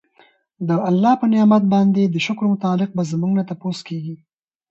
د الله په نعمت باندي د شکر متعلق به زمونږ نه تپوس کيږي